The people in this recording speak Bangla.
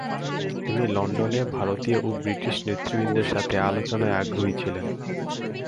তিনি লন্ডনে ভারতীয় ও ব্রিটিশ নেতৃবৃন্দের সাথে আলোচনায় আগ্রহী ছিলেন।